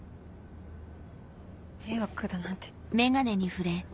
迷惑だなんて。